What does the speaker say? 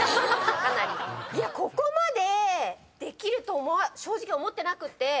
ここまでできると正直思ってなくて。